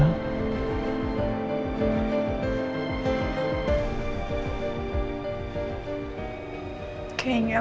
aku harus datang pak